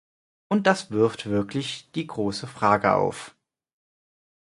Und das wirft wirklich die große Frage auf.